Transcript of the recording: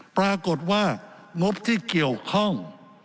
ปรากฏว่างบที่เกี่ยวข้อง